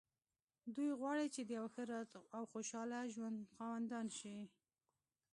دوی غواړي چې د يوه ښه او خوشحاله ژوند خاوندان شي.